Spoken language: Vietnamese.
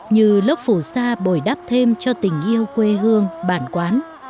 như lớp phủ sa bồi đắp thêm cho tình yêu quê hương bản quán